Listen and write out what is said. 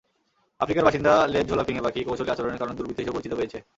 আফ্রিকার বাসিন্দা লেজঝোলা ফিঙে পাখি কৌশলী আচরণের কারণে দুর্বৃত্ত হিসেবে পরিচিতি পেয়েছে।